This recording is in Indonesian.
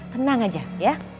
tenang aja ya